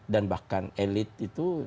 dan bahkan elit itu